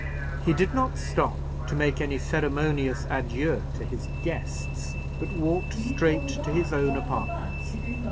He did not stop to make any ceremonious adieu to his guests, but walked straight to his own apartments.